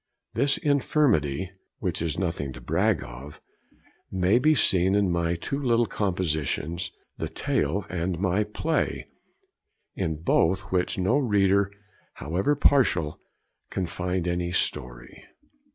This infirmity (which is nothing to brag of) may be seen in my two little compositions, the tale and my play, in both which no reader, however partial, can find any story.'